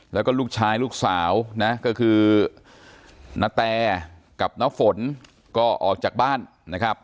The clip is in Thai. แล้วก็ลูกชายลูกสาวนะก็คือณแตกับน้าฝนก็ออกจากบ้านนะครับ